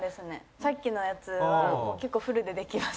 さっきのやつは結構フルでできます。